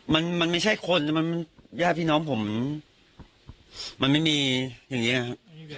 มันมันไม่ใช่คนมันญาติพี่น้องผมมันไม่มีอย่างนี้นะครับ